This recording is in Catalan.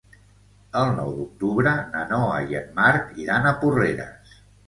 El nou d'octubre na Noa i en Marc iran a Porreres.